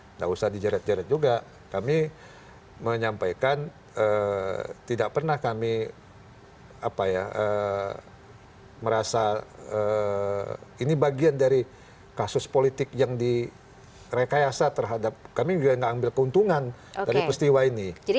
tidak usah dijeret jeret juga kami menyampaikan tidak pernah kami merasa ini bagian dari kasus politik yang direkayasa terhadap kami juga tidak ambil keuntungan dari peristiwa ini